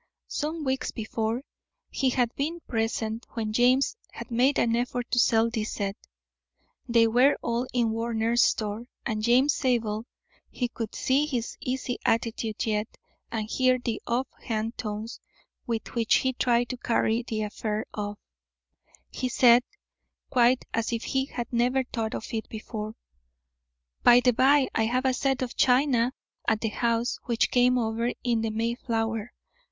Some weeks before, he had been present when James had made an effort to sell this set. They were all in Warner's store, and James Zabel (he could see his easy attitude yet, and hear the off hand tones with which he tried to carry the affair off) had said, quite as if he had never thought of it before: "By the by, I have a set of china at the house which came over in the Mayflower.